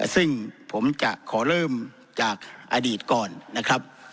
ซึ่งผมจะขอเริ่มจากอดีตก่อนนะครับ